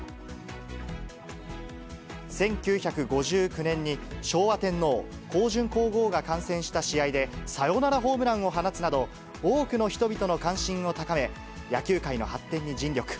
１９５９年に昭和天皇、香淳皇后が観戦した試合で、サヨナラホームランを放つなど、多くの人々の関心を高め、野球界の発展に尽力。